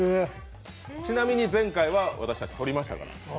ちなみに前回は、私たち取りましたから。